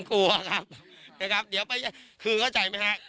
เขาไม่ยืนครับผมครับเดี๋ยวไปเขาเข้าใจไม่ฮะ